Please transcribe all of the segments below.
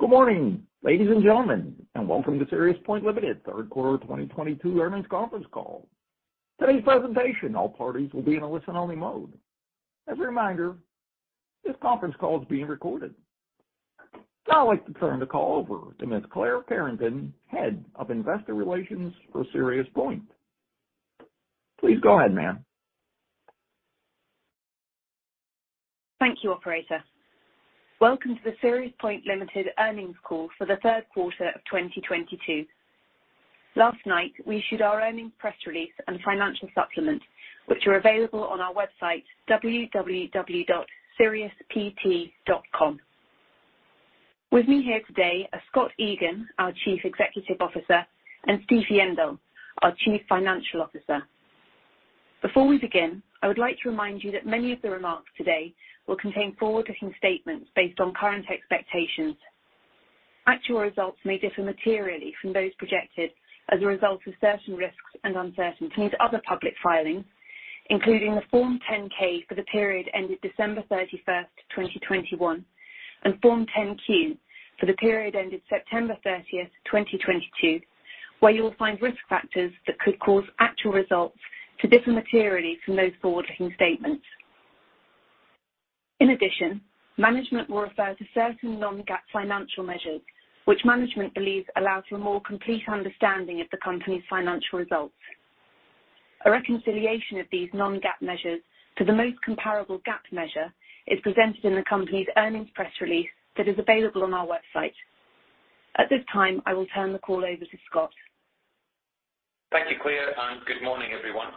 Good morning, ladies and gentlemen, and welcome to SiriusPoint Ltd. third quarter 2022 earnings conference call. During today's presentation, all participants will be in a listen-only mode. As a reminder, this conference call is being recorded. Now I'd like to turn the call over to Ms. Clare Kerrigan, Head of Investor Relations for SiriusPoint. Please go ahead, ma'am. Thank you, operator. Welcome to the SiriusPoint Ltd. earnings call for the third quarter of 2022. Last night, we issued our earnings press release and financial supplement, which are available on our website, www.siriuspt.com. With me here today are Scott Egan, our Chief Executive Officer, and Steve Yendall, our Chief Financial Officer. Before we begin, I would like to remind you that many of the remarks today will contain forward-looking statements based on current expectations. Actual results may differ materially from those projected as a result of certain risks and uncertainties. Other public filings, including the Form 10-K for the period ended December 31st, 2021, and Form 10-Q for the period ended September 30th, 2022, where you'll find risk factors that could cause actual results to differ materially from those forward-looking statements. In addition, management will refer to certain non-GAAP financial measures, which management believes allows for a more complete understanding of the company's financial results. A reconciliation of these non-GAAP measures to the most comparable GAAP measure is presented in the company's earnings press release that is available on our website. At this time, I will turn the call over to Scott. Thank you, Clare, and good morning, everyone.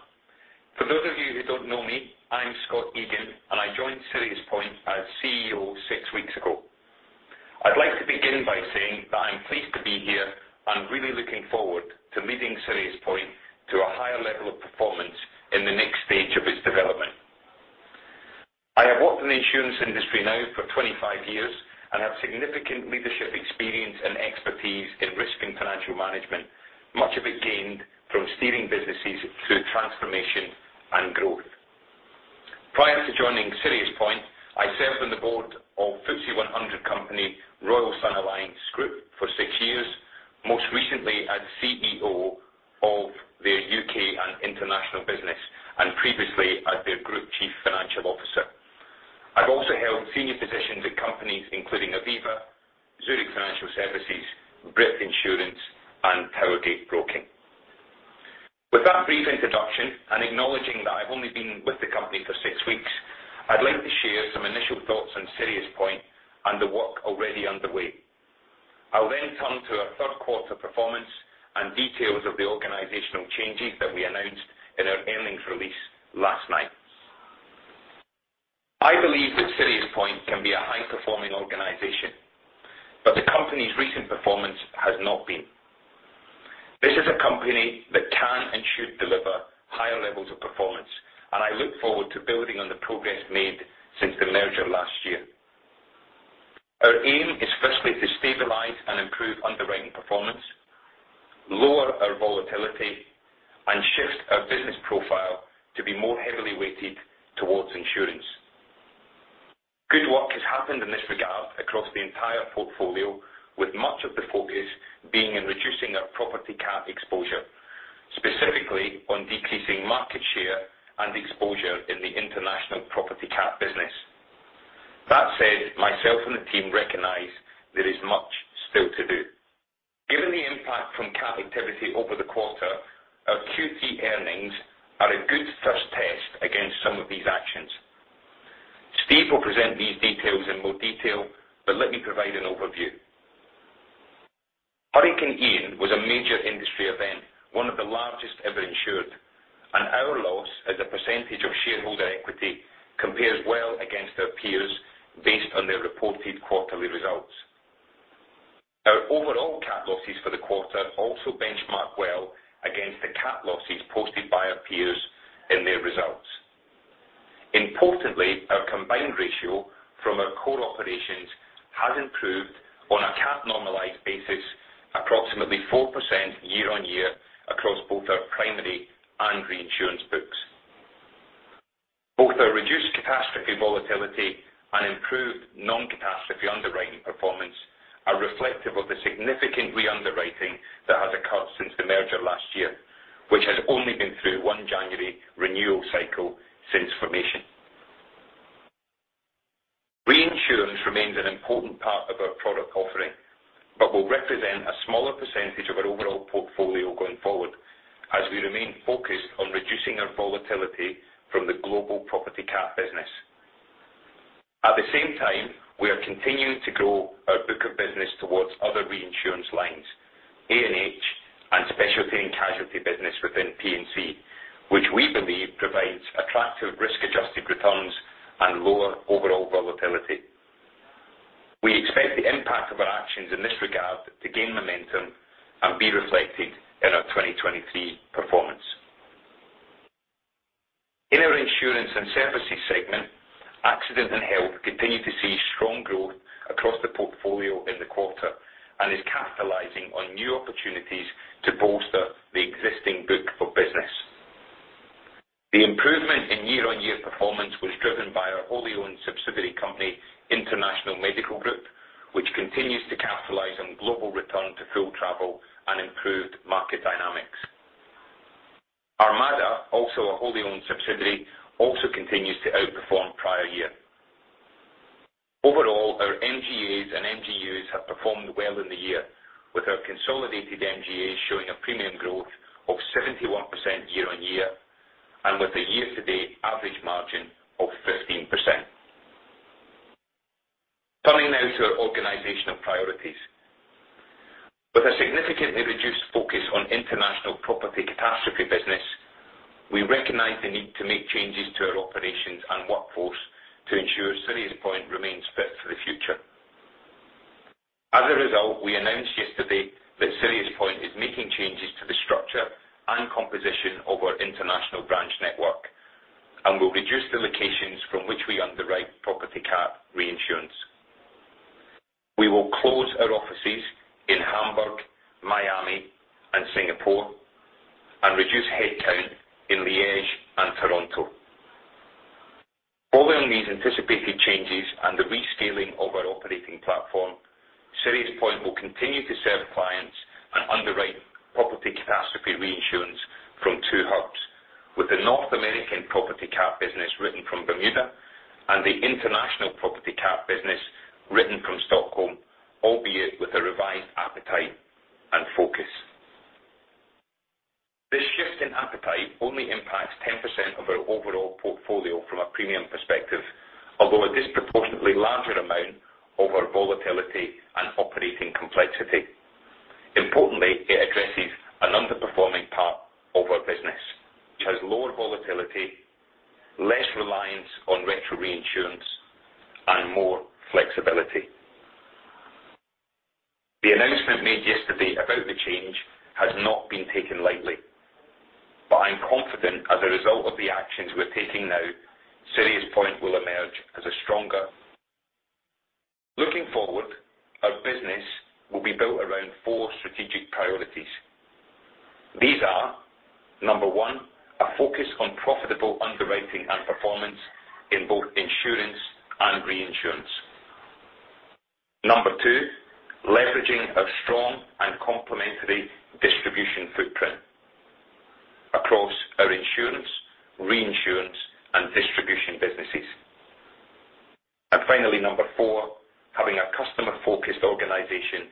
For those of you who don't know me, I'm Scott Egan, and I joined SiriusPoint as CEO 6 weeks ago. I'd like to begin by saying that I'm pleased to be here. I'm really looking forward to leading SiriusPoint to a higher level of performance in the next stage of its development. I have worked in the insurance industry now for 25 years and have significant leadership experience and expertise in risk and financial management, much of it gained from steering businesses through transformation and growth. Prior to joining SiriusPoint, I served on the board of FTSE 100 company, Royal & Sun Alliance Group for six years, most recently as CEO of their U.K. and international business, and previously as their Group Chief Financial Officer. I've also held senior positions at companies including Aviva, Zurich Financial Services, Brit Insurance, and Towergate Broking. With that brief introduction and acknowledging that I've only been with the company for six weeks, I'd like to share some initial thoughts on SiriusPoint and the work already underway. I'll then turn to our third quarter performance and details of the organizational changes that we announced in our earnings release last night. I believe that SiriusPoint can be a high-performing organization, but the company's recent performance has not been. This is a company that can and should deliver higher levels of performance, and I look forward to building on the progress made since the merger last year. Our aim is firstly to stabilize and improve underwriting performance, lower our volatility, and shift our business profile to be more heavily weighted towards insurance. Good work has happened in this regard across the entire portfolio, with much of the focus being in reducing our property cat exposure, specifically on decreasing market share and exposure in the international property cat business. That said, myself and the team recognize there is much still to do. Given the impact from cat activity over the quarter, our Q3 earnings are a good first test against some of these actions. Steve will present these details in more detail, but let me provide an overview. Hurricane Ian was a major industry event, one of the largest ever insured, and our loss as a percentage of shareholder equity compares well against our peers based on their reported quarterly results. Our overall cat losses for the quarter also benchmark well against the cat losses posted by our peers in their results. Importantly, our combined ratio from our core operations has improved on a cat normalized basis approximately 4% year-over-year across both our primary and reinsurance books. Both our reduced catastrophic volatility and improved non-catastrophe underwriting performance are reflective of the significant re-underwriting that has occurred since the merger last year, which has only been through one January renewal cycle since formation. Reinsurance remains an important part of our product offering, but will represent a smaller percentage of our overall portfolio going forward as we remain focused on reducing our volatility from the global property cat business. At the same time, we are continuing to grow our book of business towards other reinsurance lines, A&H and Specialty and Casualty business within P&C, which we believe provides attractive risk adjusted returns and lower overall volatility. We expect the impact of our actions in this regard to gain momentum and be reflected in our 2023 performance. In our Insurance and Services segment, accident and health continue to see strong growth across the portfolio in the quarter and is capitalizing on new opportunities to bolster the existing book of business. The improvement in year-over-year performance was driven by our wholly owned subsidiary company, International Medical Group, which continues to capitalize on global return to full travel and improved market dynamics. ArmadaCare, also a wholly owned subsidiary, also continues to outperform prior year. Overall, our MGAs and MGUs have performed well in the year, with our consolidated MGAs showing a premium growth of 71% year-over-year and with a year-to-date average margin of 15%. Turning now to our organizational priorities. With a significantly reduced focus on international property catastrophe business, we recognize the need to make changes to our operations and workforce to ensure SiriusPoint remains fit for the future. As a result, we announced yesterday that SiriusPoint is making changes to the structure and composition of our international branch network and will reduce the locations from which we underwrite property cat reinsurance. We will close our offices in Hamburg, Miami, and Singapore and reduce headcount in Liège and Toronto. Following these anticipated changes and the rescaling of our operating platform, SiriusPoint will continue to serve clients and underwrite property catastrophe reinsurance from two hubs, with the North American property cat business written from Bermuda and the international property cat business written from Stockholm, albeit with a revised appetite and focus. This shift in appetite only impacts 10% of our overall portfolio from a premium perspective, although a disproportionately larger amount of our volatility and operating complexity. Importantly, it addresses an underperforming part of our business, which has lower volatility, less reliance on retro reinsurance, and more flexibility. The announcement made yesterday about the change has not been taken lightly, but I'm confident as a result of the actions we're taking now, SiriusPoint will emerge as a stronger. Looking forward, our business will be built around four strategic priorities. These are, number one, a focus on profitable underwriting and performance in both insurance and reinsurance. Number two, leveraging our strong and complementary distribution footprint across our insurance, reinsurance, and distribution businesses. Finally, number four, having a customer-focused organization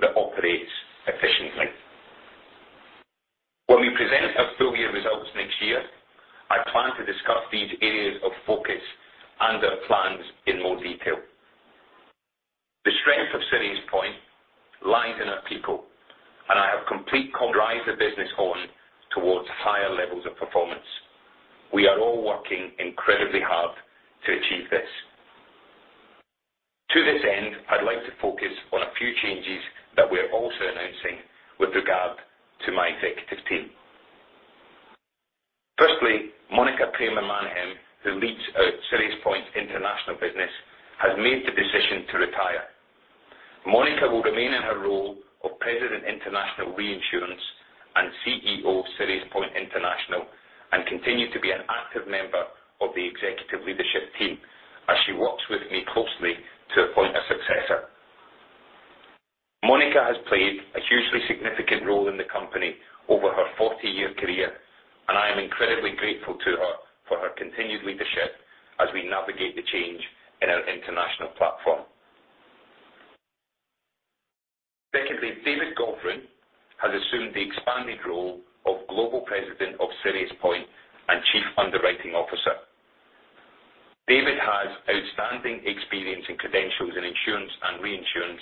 that operates efficiently. When we present our full year results next year, I plan to discuss these areas of focus and our plans in more detail. The strength of SiriusPoint lies in our people, and I am committed to driving the business on towards higher levels of performance. We are all working incredibly hard to achieve this. To this end, I'd like to focus on a few changes that we are also announcing with regard to my executive team. Firstly, Monica Cramér Manhem, who leads our SiriusPoint international business, has made the decision to retire. Monica will remain in her role of President International Reinsurance and CEO of SiriusPoint International, and continue to be an active member of the executive leadership team as she works with me closely to appoint a successor. Monica has played a hugely significant role in the company over her 40-year career, and I am incredibly grateful to her for her continued leadership as we navigate the change in our international platform. Secondly, David Govrin has assumed the expanded role of Global President of SiriusPoint and Chief Underwriting Officer. David has outstanding experience and credentials in insurance and reinsurance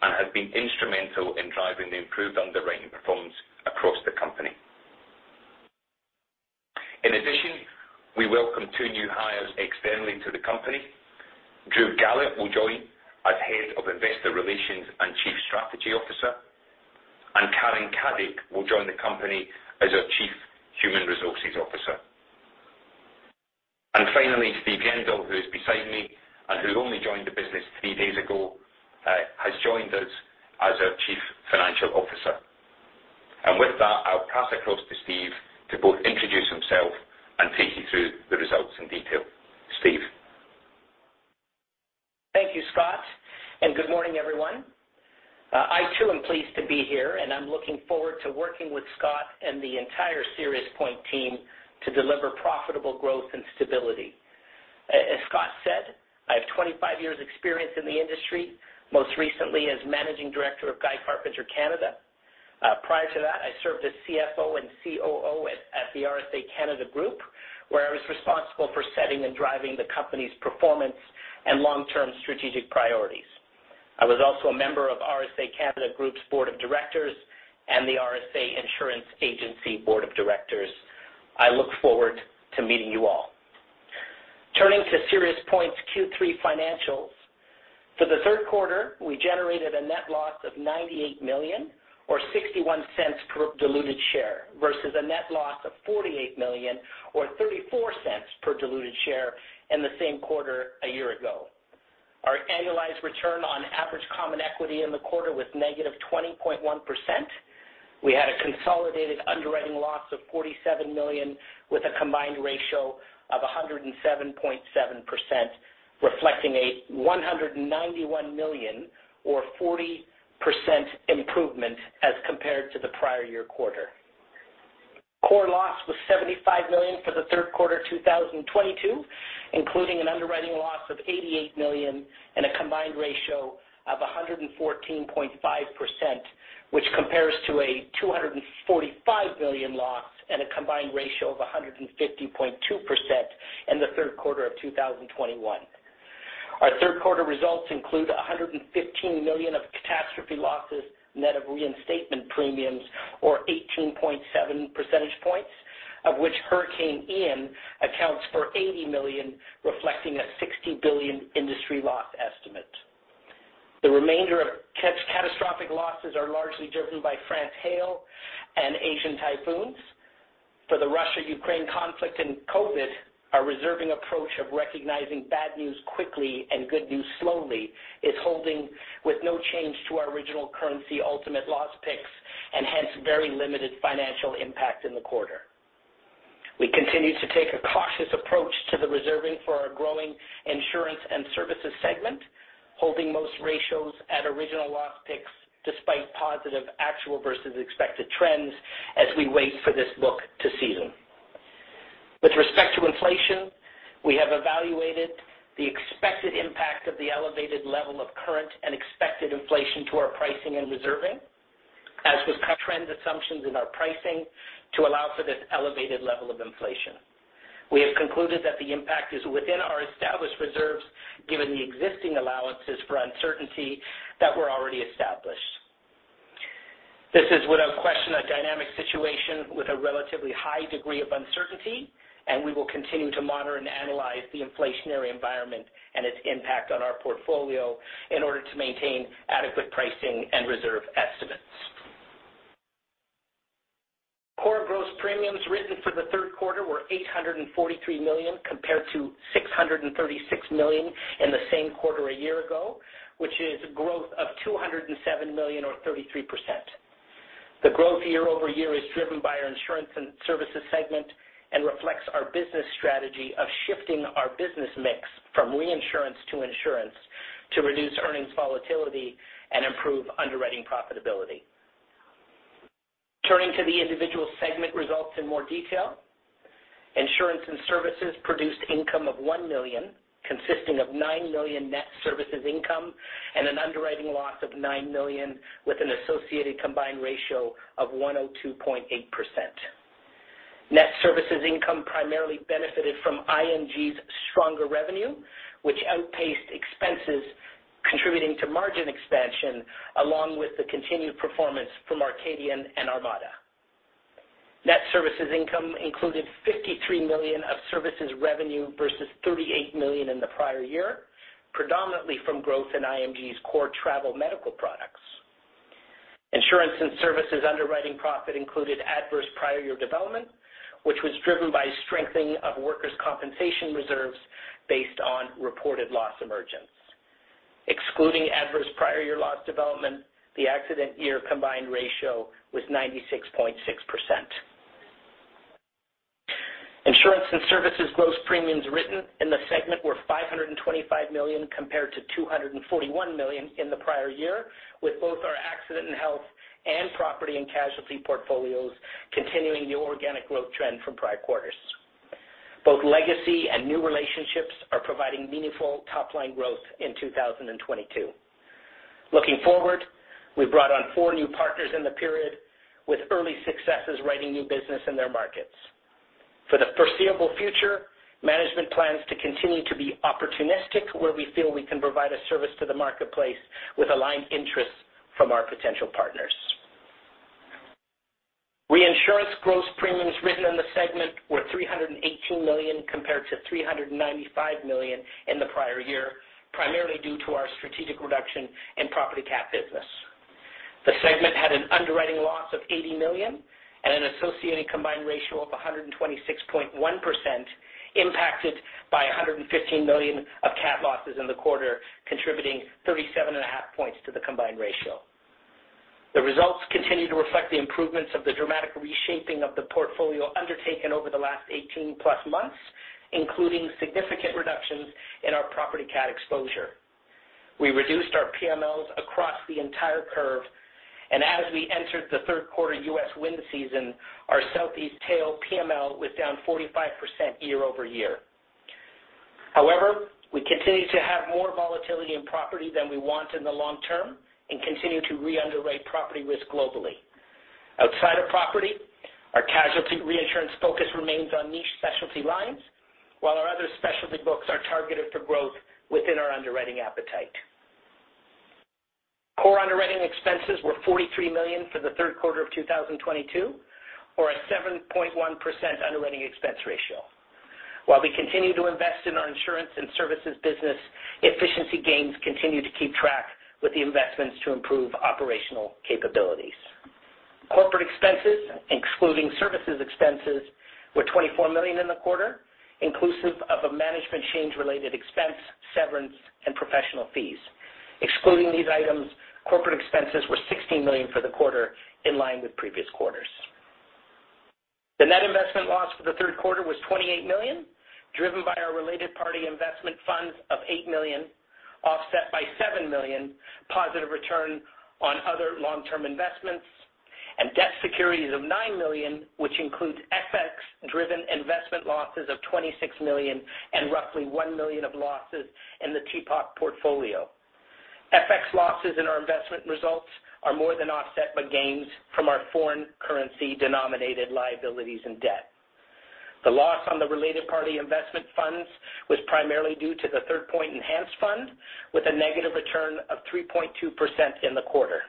and has been instrumental in driving the improved underwriting performance across the company. In addition, we welcome two new hires externally to the company. Dhruv Gahlaut will join as Head of Investor Relations and Chief Strategy Officer, and Karen Caddick will join the company as our Chief Human Resources Officer. Finally, Steve Yendall, who is beside me and who only joined the business three days ago, has joined us as our Chief Financial Officer. With that, I'll pass across to Steve to both introduce himself and take you through the results in detail. Steve. Thank you, Scott, and good morning, everyone. I too am pleased to be here, and I'm looking forward to working with Scott and the entire SiriusPoint team to deliver profitable growth and stability. As Scott said, I have 25 years experience in the industry, most recently as Managing Director of Guy Carpenter Canada. Prior to that, I served as CFO and COO at the RSA Canada Group, where I was responsible for setting and driving the company's performance and long-term strategic priorities. I was also a member of RSA Board of Directors and the RSA Board of Directors. i look forward to meeting you all. Turning to SiriusPoint's Q3 financials. For the third quarter, we generated a net loss of $98 million or $0.61 per diluted share versus a net loss of $48 million or $0.34 per diluted share in the same quarter a year ago. Our annualized return on average common equity in the quarter was -20.1%. We had a consolidated underwriting loss of $47 million, with a combined ratio of 107.7%, reflecting a $191 million or 40% improvement as compared to the prior year quarter. Core loss was $75 million for the third quarter 2022, including an underwriting loss of $88 million and a combined ratio of 114.5%, which compares to a $245 million loss and a combined ratio of 150.2% in the third quarter of 2021. Our third quarter results include $115 million of catastrophe losses, net of reinstatement premiums, or 18.7 percentage points, of which Hurricane Ian accounts for $80 million, reflecting a $60 billion industry loss estimate. The remainder of catastrophic losses are largely driven by France hail and Asian typhoons. For the Russia-Ukraine conflict and COVID, our reserving approach of recognizing bad news quickly and good news slowly is holding with no change to our original current ultimate loss picks and hence very limited financial impact in the quarter. We continue to take a cautious approach to the reserving for our growing Insurance and Services segment, holding most ratios at original loss picks despite positive actual versus expected trends as we wait for this book to season. With respect to inflation, we have evaluated the expected impact of the elevated level of current and expected inflation to our pricing and reserving, as with trend assumptions in our pricing to allow for this elevated level of inflation. We have concluded that the impact is within our established reserves, given the existing allowances for uncertainty that were already established. This is without question, a dynamic situation with a relatively high degree of uncertainty, and we will continue to monitor and analyze the inflationary environment and its impact on our portfolio in order to maintain adequate pricing and reserve estimates. Core gross premiums written for the third quarter were $843 million, compared to $636 million in the same quarter a year ago, which is growth of $207 million or 33%. The growth year-over-year is driven by our Insurance and Services segment and reflects our business strategy of shifting our business mix from reinsurance to insurance to reduce earnings volatility and improve underwriting profitability. Turning to the individual segment results in more detail. Insurance and Services produced income of $1 million, consisting of $9 million net services income and an underwriting loss of $9 million, with an associated combined ratio of 102.8%. Net services income primarily benefited from IMG's stronger revenue, which outpaced expenses contributing to margin expansion, along with the continued performance from Arcadian and ArmadaCare. Net services income included $53 million of services revenue versus $38 million in the prior year, predominantly from growth in IMG's core travel medical products. Insurance and Services underwriting profit included adverse prior year development, which was driven by strengthening of workers' compensation reserves based on reported loss emergence. Excluding adverse prior year loss development, the accident year combined ratio was 96.6%. Insurance and Services gross premiums written in the segment were $525 million, compared to $241 million in the prior year, with both our accident and health and property and casualty portfolios continuing the organic growth trend from prior quarters. Both legacy and new relationships are providing meaningful top-line growth in 2022. Looking forward, we brought on four new partners in the period with early successes writing new business in their markets. For the foreseeable future, management plans to continue to be opportunistic where we feel we can provide a service to the marketplace with aligned interests from our potential partners. Reinsurance gross premiums written in the segment were $318 million compared to $395 million in the prior year, primarily due to our strategic reduction in property cat business. The segment had an underwriting loss of $80 million and an associated combined ratio of 126.1%, impacted by $115 million of cat losses in the quarter, contributing 37.5 points to the combined ratio. The results continue to reflect the improvements of the dramatic reshaping of the portfolio undertaken over the last 18+ months, including significant reductions in our property cat exposure. We reduced our PMLs across the entire curve, and as we entered the third quarter U.S. wind season, our southeast tail PML was down 45% year over year. However, we continue to have more volatility in property than we want in the long term and continue to re-underwrite property risk globally. Outside of property, our casualty reinsurance focus remains on niche specialty lines, while our other specialty books are targeted for growth within our underwriting appetite. Core underwriting expenses were $43 million for the third quarter of 2022, or a 7.1% underwriting expense ratio. While we continue to invest in our Insurance and Services business, efficiency gains continue to keep pace with the investments to improve operational capabilities. Corporate expenses, excluding services expenses, were $24 million in the quarter, inclusive of a management change related expense, severance and professional fees. Excluding these items, corporate expenses were $16 million for the quarter, in line with previous quarters. The net investment loss for the third quarter was $28 million, driven by our related party investment funds of $8 million, offset by $7 million positive return on other long-term investments and debt securities of $9 million, which includes FX driven investment losses of $26 million and roughly $1 million of losses in the TP Enhanced portfolio. FX losses in our investment results are more than offset by gains from our foreign currency denominated liabilities and debt. The loss on the related party investment funds was primarily due to the Third Point Enhanced Fund with a negative return of 3.2% in the quarter.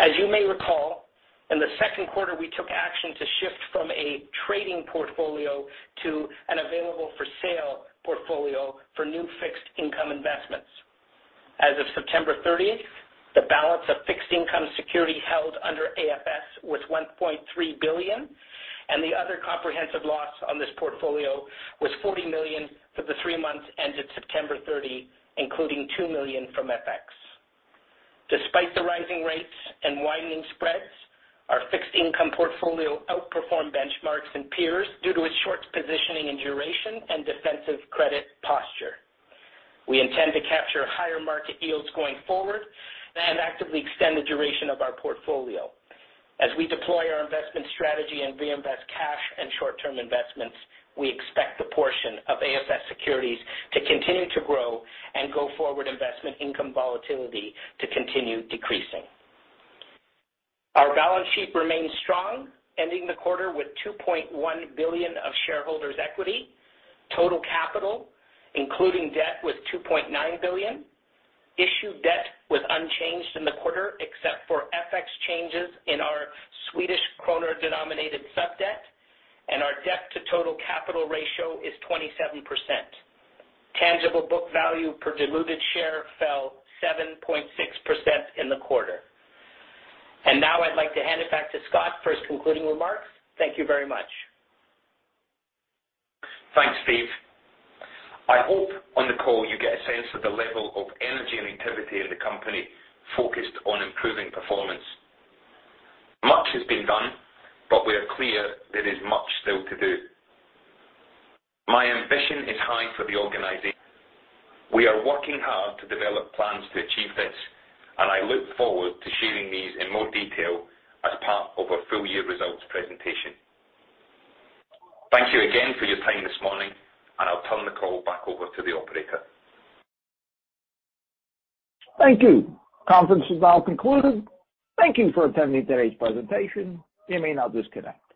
As you may recall, in the second quarter, we took action to shift from a trading portfolio to an available for sale portfolio for new fixed income investments. As of September 30th, the balance of fixed income security held under AFS was $1.3 billion, and the other comprehensive loss on this portfolio was $40 million for the three months ended September 30, including $2 million from FX. Despite the rising rates and widening spreads, our fixed income portfolio outperformed benchmarks and peers due to its short positioning and duration and defensive credit posture. We intend to capture higher market yields going forward and actively extend the duration of our portfolio. As we deploy our investment strategy and reinvest cash and short-term investments, we expect the portion of AFS securities to continue to grow and go forward investment income volatility to continue decreasing. Our balance sheet remains strong, ending the quarter with $2.1 billion of shareholders equity. Total capital, including debt, was $2.9 billion. Issued debt was unchanged in the quarter except for FX changes in our Swedish Krona-denominated sub debt, and our debt to total capital ratio is 27%. Tangible book value per diluted share fell 7.6% in the quarter. Now I'd like to hand it back to Scott for his concluding remarks. Thank you very much. Thanks, Steve. I hope on the call you get a sense of the level of energy and activity in the company focused on improving performance. Much has been done, but we are clear there is much still to do. My ambition is high for the organization. We are working hard to develop plans to achieve this, and I look forward to sharing these in more detail as part of our full-year results presentation. Thank you again for your time this morning, and I'll turn the call back over to the operator. Thank you. Conference is now concluded. Thank you for attending today's presentation. You may now disconnect.